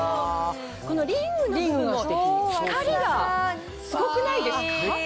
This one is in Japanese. このリングの光がすごくないですか？